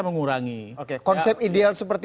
mengurangi konsep ideal seperti